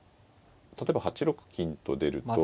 例えば８六金と出ると。